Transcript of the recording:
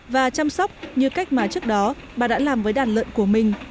và chăm sóc như cách mà trước đó bà đã làm với đàn lợn của mình